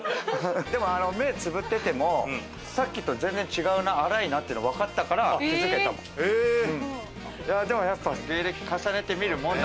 でも目つぶってても、さっきと全然違う、粗いなっていう分かったから気づけたもん。